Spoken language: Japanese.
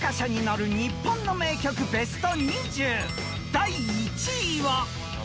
［第１位は］